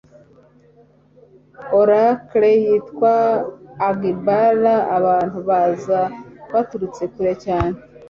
oracle yitwaga agbala, abantu baza baturutse kure cyane